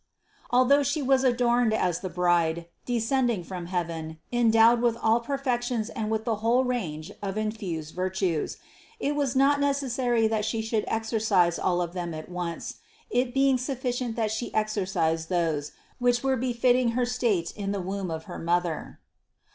226. Although She was adorned as the Bride, de scending from heaven, endowed with all perfections and with the whole range of infused virtues, it was not necessary that She should exercise all of them at once, it being sufficient that She exercise those, which were befitting her state in the womb of her mother.